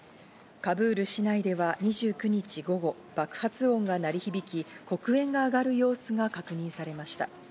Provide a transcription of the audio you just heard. カブール市内では２９日午後、爆発音が鳴り響き、黒煙が上がる様子が確認されました。